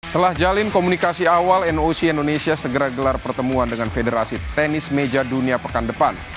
telah jalin komunikasi awal noc indonesia segera gelar pertemuan dengan federasi tenis meja dunia pekan depan